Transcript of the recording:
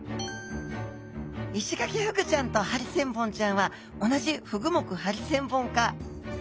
イシガキフグちゃんとハリセンボンちゃんは同じフグ目ハリセンボン科。